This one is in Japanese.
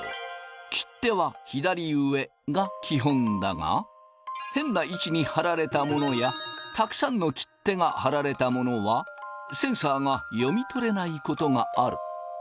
切手は左上が基本だが変な位置に貼られたものやたくさんの切手が貼られたものはセンサーが読み取れないことがある。